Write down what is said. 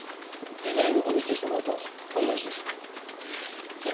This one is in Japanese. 以前お見せしたものと同じですが。